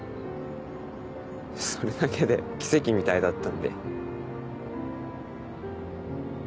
それだけで奇跡みたいだったんで。